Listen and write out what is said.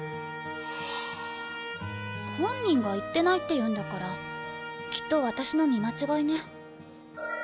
本人が行ってないって言うんだからきっと私の見間違いね。